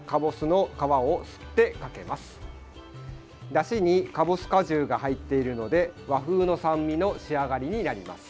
だしに、かぼす果汁が入っているので和風の酸味の仕上がりになります。